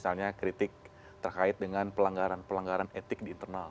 misalnya kritik terkait dengan pelanggaran pelanggaran etik di internal